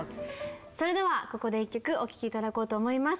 それではここで１曲お聴き頂こうと思います。